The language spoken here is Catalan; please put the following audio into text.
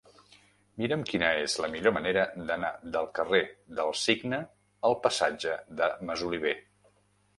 Mira'm quina és la millor manera d'anar del carrer del Cigne al passatge de Masoliver.